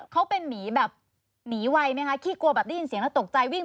เขาเป็นหมีแบบหนีไวไหมคะขี้กลัวแบบได้ยินเสียงแล้วตกใจวิ่ง